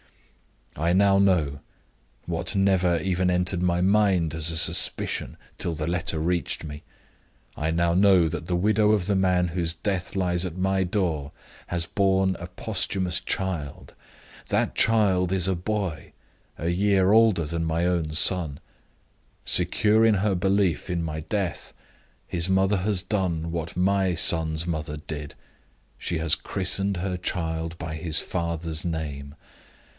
"I now know what never even entered my mind as a suspicion till the letter reached me. I now know that the widow of the man whose death lies at my door has borne a posthumous child. That child is a boy a year older than my own son. Secure in her belief in my death, his mother has done what my son's mother did: she has christened her child by his father's name.